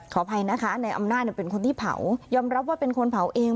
ขออภัยนะคะในอำนาจเป็นคนที่เผายอมรับว่าเป็นคนเผาเอง